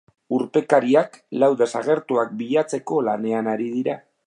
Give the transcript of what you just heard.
Urpekariak lau desagertuak bilatzeko lanean ari dira.